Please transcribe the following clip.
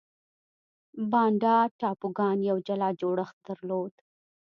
بانډا ټاپوګان یو جلا جوړښت درلود.